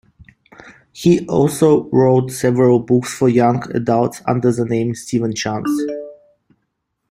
He also wrote several books for young adults under the name Stephen Chance.